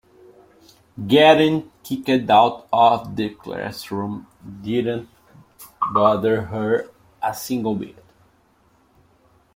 Getting kicked out of the classroom didn't bother her a single bit.